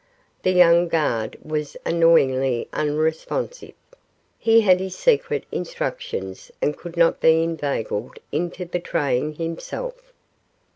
The young guard was annoyingly unresponsive. He had his secret instructions and could not be inveigled into betraying himself.